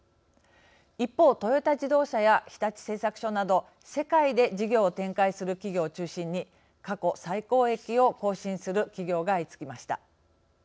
一方トヨタ自動車や日立製作所など世界で事業を展開する企業を中心に過去最高益を更新する企業が相次ぎました。